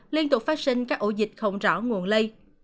liên tục phát sinh các ổ dịch không rõ nguồn lây